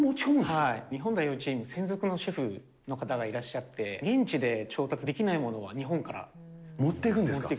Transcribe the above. はい、日本代表チーム専属のシェフの方がいらっしゃって、現地で調達で持っていくんですか？